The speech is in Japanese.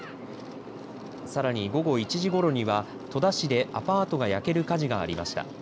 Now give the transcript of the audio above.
さらに午後１時ごろには戸田市でアパートが焼ける火事がありました。